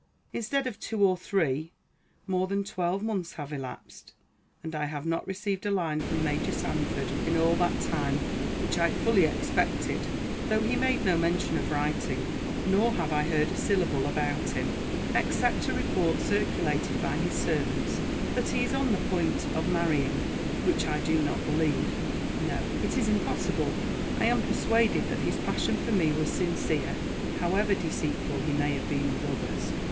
Instead of two or three, more than twelve months have elapsed, and I have not received a line from Major Sanford in all that time, which I fully expected, though he made no mention of writing; nor have I heard a syllable about him, except a report circulated by his servants, that he is on the point of marrying, which I do not believe. No; it is impossible. I am persuaded that his passion for me was sincere, however deceitful he may have been with others.